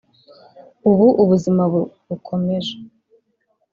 ubu ubuzima bukomeje